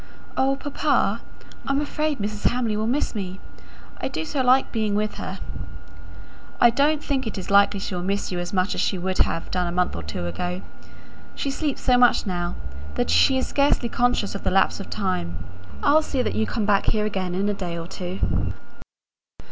"Oh, papa, I'm afraid Mrs. Hamley will miss me! I do so like being with her." "I don't think it is likely she will miss you as much as she would have done a month or two ago. She sleeps so much now, that she is scarcely conscious of the lapse of time. I'll see that you come back here again in a day or two."